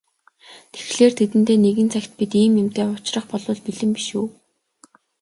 Тэгэхлээр тэдэнтэй нэгэн цагт бид ийм юмтай учрах болбол бэлэн биш үү?